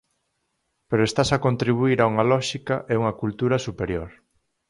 Pero estás a contribuír a unha lóxica e unha cultura superior.